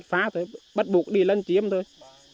chặt phá thôi bắt buộc đi lân chiếm thôi